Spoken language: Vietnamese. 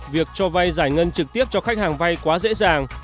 việc cho vay giải ngân trực tiếp cho khách hàng vay quá dễ dàng